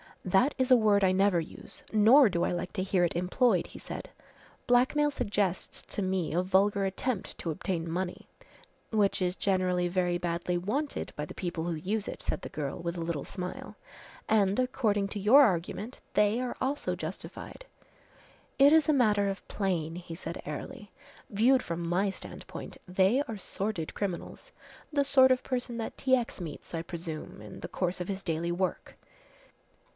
"That is a word I never use, nor do I like to hear it employed," he said. "Blackmail suggests to me a vulgar attempt to obtain money." "Which is generally very badly wanted by the people who use it," said the girl, with a little smile, "and, according to your argument, they are also justified." "It is a matter of plane," he said airily. "Viewed from my standpoint, they are sordid criminals the sort of person that T. X. meets, I presume, in the course of his daily work.